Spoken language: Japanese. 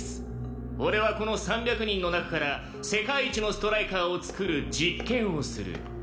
俺はこの３００人の中から世界一のストライカーを創る実験をする。